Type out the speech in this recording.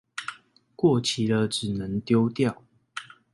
過期了只能丟掉